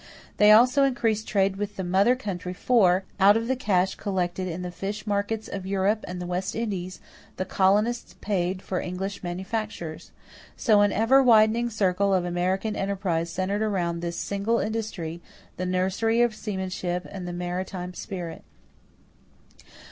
They also increased trade with the mother country for, out of the cash collected in the fish markets of Europe and the West Indies, the colonists paid for English manufactures. So an ever widening circle of American enterprise centered around this single industry, the nursery of seamanship and the maritime spirit.